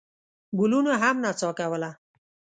ګلونو هم نڅا کوله.